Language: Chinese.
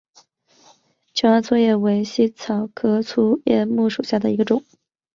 琼崖粗叶木为茜草科粗叶木属下的一个种。